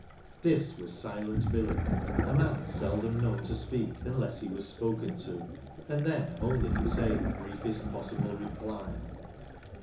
This was '' Silent Billy, " a man seldom known to speak unless he was spoken to, and then only to make the briefest possible reply.